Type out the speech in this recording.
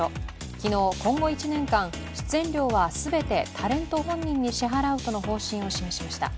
昨日、今後１年間、出演料は全てタレント本人に支払うとの方針を示しました。